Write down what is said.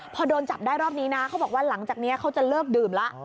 พอโดนจับได้รอบนี้นะเขาบอกว่าหลังจากนี้เขาจะเลิกดื่มแล้ว